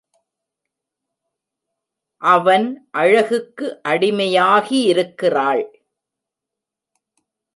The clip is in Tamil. அவன் அழகுக்கு அடிமையாகியிருக் கிறாள்.